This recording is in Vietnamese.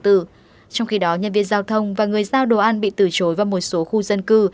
trong khi đó nhân viên giao thông và người giao đồ ăn bị từ chối vào một số khu dân cư